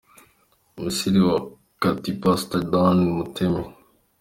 Musili Wa Kati – Pastor Dan Mutemi.